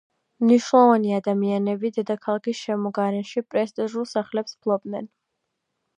მნიშვნელოვანი ადამიანები დედაქალაქის შემოგარენში პრესტიჟულ სახლებს ფლობდნენ.